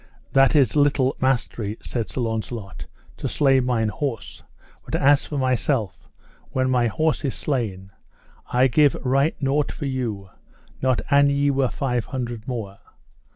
That is little mastery, said Sir Launcelot, to slay mine horse; but as for myself, when my horse is slain, I give right nought for you, not an ye were five hundred more.